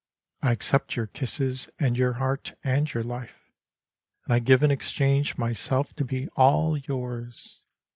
I accept your kisses and your heart and your life ; And I give in exchange myself to be all yours.